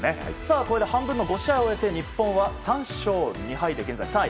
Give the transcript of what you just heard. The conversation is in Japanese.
これで半分の５試合を終えて日本は３勝２敗で現在３位。